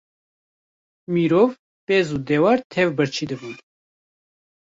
Mirov, pez û dewar tev birçî dibûn.